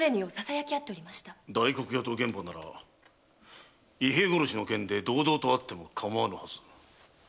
大黒屋と玄馬は伊兵衛殺しの件で堂々と会ってもかまわぬはず。